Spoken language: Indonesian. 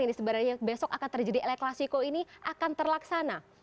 mungkin mengharapkan ini sebenarnya besok akan terjadi eleklasiko ini akan terlaksana